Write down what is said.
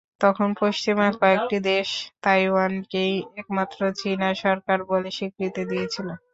তখন পশ্চিমা কয়েকটি দেশ তাইওয়ানকেই একমাত্র চীনা সরকার বলে স্বীকৃতি দিয়েছিল।